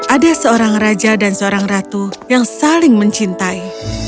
ada seorang raja dan seorang ratu yang saling mencintai